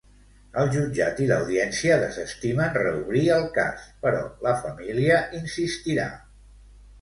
El jutjat i l'Audiència desestimen reobrir el cas, però la família insistirà.